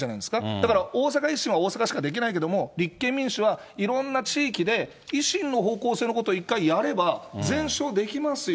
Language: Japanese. だから、大阪維新は大阪しかできないけども、立憲民主はいろんな地域で、維新の方向性のことを一回やれば、全勝できますよ。